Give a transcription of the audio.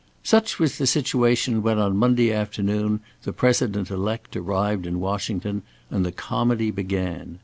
Such was the situation when on Monday afternoon the President elect arrived in Washington, and the comedy began.